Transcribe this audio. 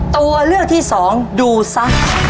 ตัวเลือกที่สองดูซะ